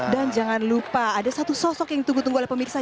dan jangan lupa ada satu sosok yang tunggu tunggu oleh pemirsa